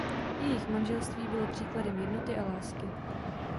Jejich manželství bylo příkladem jednoty a lásky.